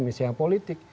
misalnya yang politik